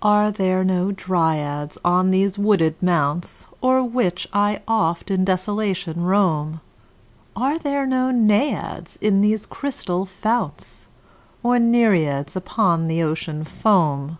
Are there no Dryads on these wooded mounts O'er which I oft in desolation roam? Are there no Naiads in these crystal founts? Nor Nereids upon the Ocean foam?